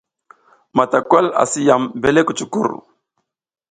Matawal asi yam mbele kucuckur.